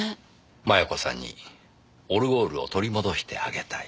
摩耶子さんにオルゴールを取り戻してあげたい。